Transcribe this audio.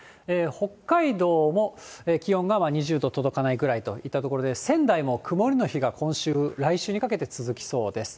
北海道も気温が２０度届かないぐらいといったところで仙台も曇りの日が今週、来週にかけて続きそうです。